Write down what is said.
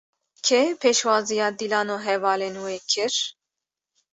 Kê pêşwaziya Dîlan û hevalên wê kir?